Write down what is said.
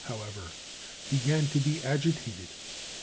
_ however, began to be agitated.